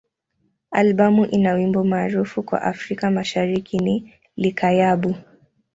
Albamu ina wimbo maarufu kwa Afrika Mashariki ni "Likayabo.